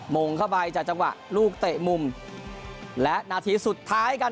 มงเข้าไปจากจังหวะลูกเตะมุมและนาทีสุดท้ายครับ